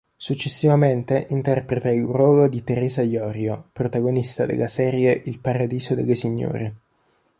Successivamente interpreta il ruolo di Teresa Iorio, protagonista della serie "Il paradiso delle signore".